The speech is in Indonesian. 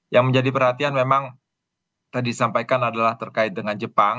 yang menjadi perhatian memang tadi disampaikan adalah terkait dengan jepang